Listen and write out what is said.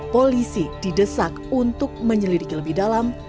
polisi didesak untuk menyelidiki lebih dalam